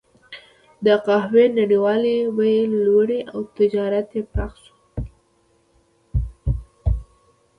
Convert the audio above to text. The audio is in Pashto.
د قهوې نړیوالې بیې لوړې او تجارت یې پراخ شو.